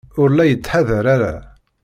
Ur la yettḥadar ara.